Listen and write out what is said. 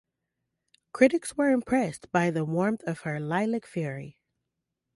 Critics were impressed by the warmth of her Lilac Fairy.